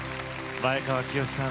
前川清さん